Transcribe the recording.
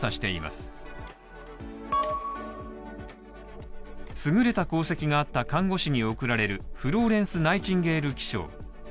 すぐれた功績があった看護師に贈られるフローレンス・ナイチンゲール記章。